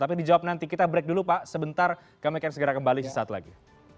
tapi dijawab nanti kita break dulu pak sebentar kami akan segera kembali sesaat lagi